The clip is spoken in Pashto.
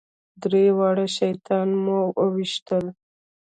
درې واړه شیطانان مو وويشتل.